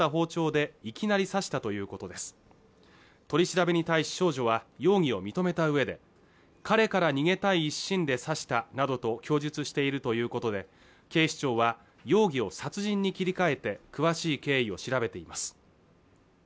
取り調べに対し少女は容疑を認めた上で彼から逃げたい一心で刺したなどと供述しているということで警視庁は容疑を殺人に切り替えて詳しい経緯を調べています